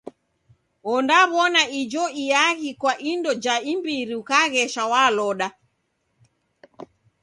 Ondaw'ona ijo iaghi kwa indo ja imbiri ukaghesha waloda.